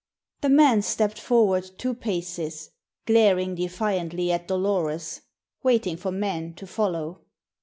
The man stepped forward two paces, glaring defiantly at Dolores, waiting for men to follow.